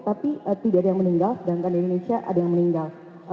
tapi tidak ada yang meninggal sedangkan di indonesia ada yang meninggal